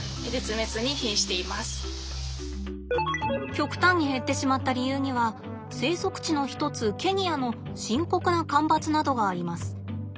極端に減ってしまった理由には生息地の一つケニアの深刻な干ばつなどがあります。